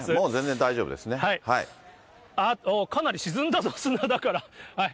かなり沈んだぞ、砂だから。